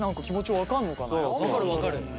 分かる分かる。